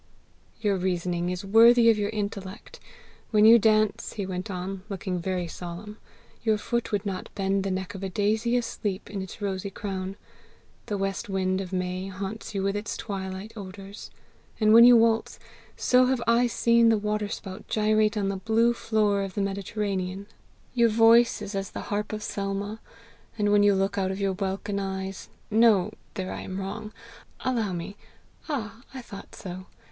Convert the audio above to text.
"Your reasoning is worthy of your intellect. When you dance," he went on, looking very solemn, "your foot would not bend the neck of a daisy asleep in its rosy crown. The west wind of May haunts you with its twilight odours; and when you waltz, so have I seen the waterspout gyrate on the blue floor of the Mediterranean. Your voice is as the harp of Selma; and when you look out of your welkin eyes no! there I am wrong! Allow me! ah, I thought so!